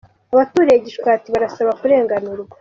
Abatuririye Gishwati barasaba kurenganurwa